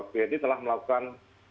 bni telah melakukan